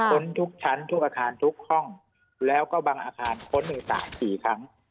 ค้นทุกชั้นทุกอาคารทุกห้องแล้วก็บางอาคารค้นใน๓๔ครั้ง